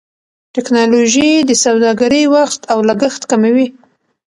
ټکنالوژي د سوداګرۍ وخت او لګښت کموي.